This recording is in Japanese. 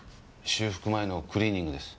修復前のクリーニングです。